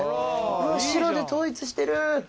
白で統一してる。